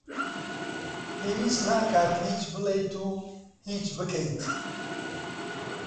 پێویست ناکات هیچ بڵێیت و هیچ بکەیت.